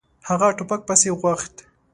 هغه ټوپک پسې غوښت.